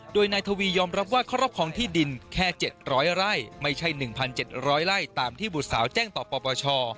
โดยนายทวียอมรับว่าครอบครองที่ดินแค่๗๐๐ไร่ไม่ใช่๑๗๐๐ไร่ตามที่บุตรสาวแจ้งต่อปปช